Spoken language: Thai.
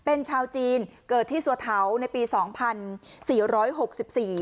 เป็นชาวจีนเกิดที่สัวเถาในปีสองพันสี่ร้อยหกสิบสี่